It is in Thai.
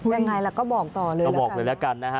ยังไงล่ะก็บอกต่อเลยละกันนะครับก็บอกเลยละกันนะฮะ